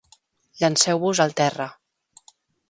Llenceu-vos al terra.